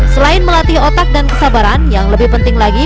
selain melatih otak dan kesabaran yang lebih penting lagi